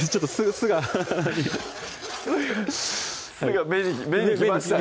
酢が目にきましたね